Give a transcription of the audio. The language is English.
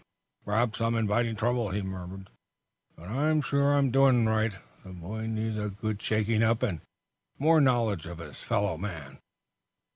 "Perhaps I'm inviting trouble," he murmured; "but I am sure I am doing right. The boy needs a good shaking up and more knowledge of his fellow men.